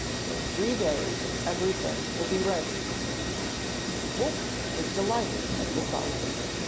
In three days everything will be ready.' Wolfert was delighted at this offer.